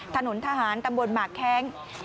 ถนนทหารตำบลหมากแค้ง